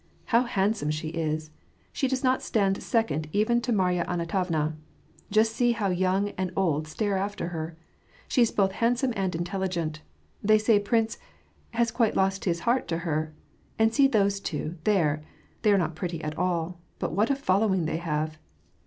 *^ How handsome she is ! she does not stand second even to Marya Antonovna. Just see how young and old stare after her. She's both handsome and intelligent. They say Prince has quite lost his heart to her. And see those two, there ! They are not pretty at all, but what a following they have